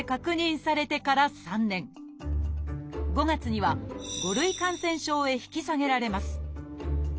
５月には５類感染症へ引き下げられます。